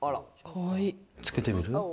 つけてみる？